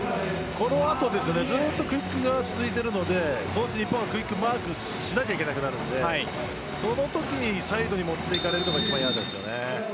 この後ずっとクイックが続いているのでクイックをマークしなきゃいけないのでそのとき、サイドに持っていかれるのが一番嫌ですね。